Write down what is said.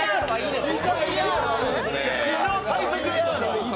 史上最速！